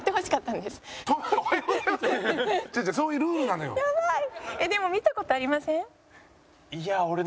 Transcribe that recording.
でも見た事ありません？